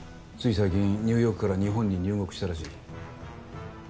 つい最近ニューヨークから日本に入国したらしい。